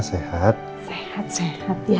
sehat sehat ya